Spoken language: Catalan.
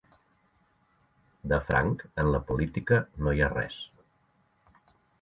De franc, en la política, no hi ha res.